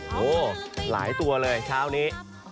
โหหลายตัวเลยชาวนี้